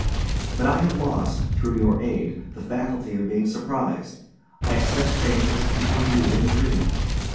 But I have lost, through your aid, the faculty of being surprised. I accept things as people do in dreams.